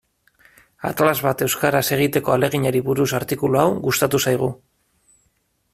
Atlas bat euskaraz egiteko ahaleginari buruz artikulu hau gustatu zaigu.